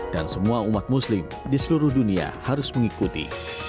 dan semua umat muslim di seluruh dunia harus mengikuti